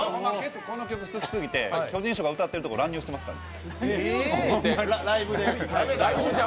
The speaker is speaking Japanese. この曲好き過ぎて、巨人師匠が歌ってるところに乱入してますから。